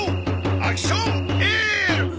アクションエール！